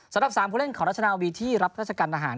สำหรับ๓ผู้เล่นของราชนาวีที่รับราชการทหาร